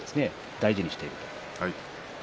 大事にしていると。